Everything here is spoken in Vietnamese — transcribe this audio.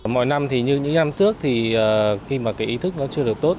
mọi năm thì như những năm trước thì khi mà cái ý thức nó chưa được tốt